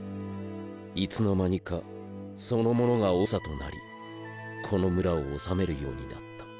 いつの間にかその者が長となりこの村を治めるようになった。